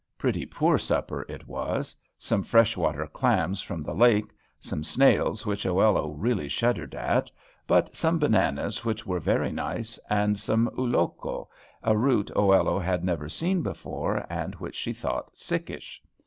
Pretty poor supper it was. Some fresh water clams from the lake, some snails which Oello really shuddered at, but some bananas which were very nice, and some ulloco, a root Oello had never seen before, and which she thought sickish.